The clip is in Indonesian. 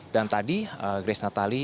dan tadi kris natali